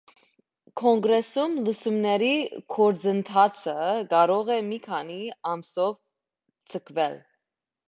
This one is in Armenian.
Կոնգրեսում լսումների գործընթացը կարող է մի քանի ամսով ձգվել։